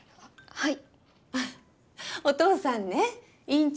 はい。